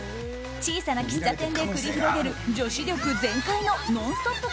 小さな喫茶店で繰り広げる女子力全開のノンストップ